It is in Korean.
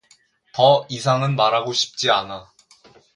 더 이상은 말하고 싶지 않아.